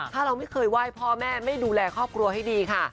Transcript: ถ้าเราไม่เคยไหว้พ่อแม่ไม่ดูแลครอบครัวให้ดีค่ะ